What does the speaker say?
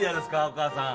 お母さん。